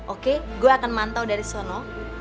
oke gue akan mantau dari sana